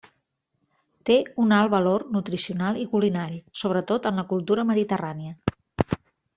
Té un alt valor nutricional i culinari, sobretot en la cultura mediterrània.